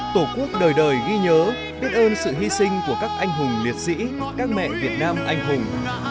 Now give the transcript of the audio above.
tổ quốc đời đời ghi nhớ biết ơn sự hy sinh của các anh hùng liệt sĩ các mẹ việt nam anh hùng